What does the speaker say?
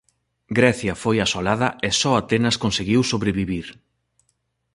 Grecia foi asolada e só Atenas conseguiu sobrevivir.